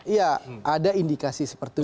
iya ada indikasi seperti itu